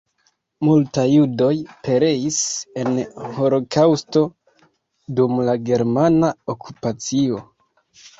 Multaj judoj pereis en holokaŭsto dum la germana okupacio.